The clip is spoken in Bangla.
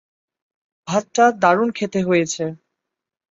ভাতটা দারুন খেতে হয়েছে।